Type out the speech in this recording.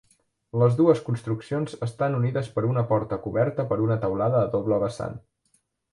Les dues construccions estan unides per una porta coberta per una teulada a doble vessant.